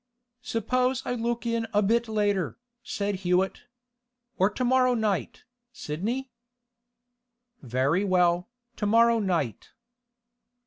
'Suppose I look in a bit later,' said Hewett. 'Or to morrow night, Sidney?' 'Very well, to morrow night.